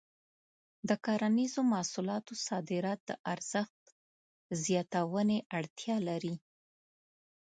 د کرنیزو محصولاتو صادرات د ارزښت زیاتونې اړتیا لري.